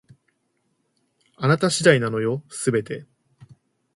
あなた次第なのよ、全て